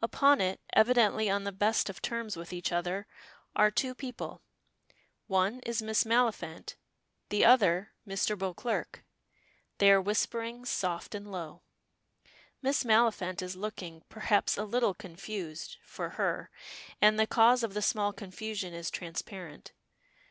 Upon it, evidently on the best of terms with each other, are two people. One is Miss Maliphant, the other Mr. Beauclerk. They are whispering "soft and low." Miss Maliphant is looking, perhaps, a little confused for her and the cause of the small confusion is transparent.